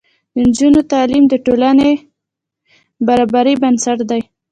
د نجونو تعلیم د ټولنې برابرۍ بنسټ دی.